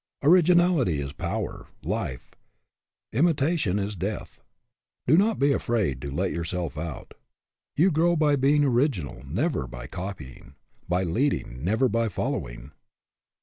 Originality is power, life; imita tion is death. Do not be afraid to let yourself out. You grow by being original, never by copying ; by leading, never by following.